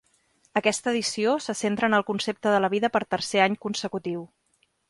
Aquesta edició se centra en el concepte de la vida per tercer any consecutiu.